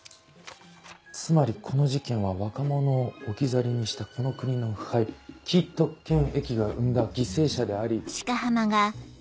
つまりこの事件は若者を置き去りにしたこの国の腐敗既得権益が生んだ犠牲者であり。